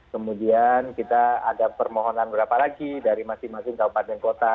kemudian kita ada permohonan berapa lagi dari masing masing kabupaten kota